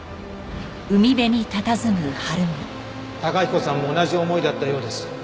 崇彦さんも同じ思いだったようです。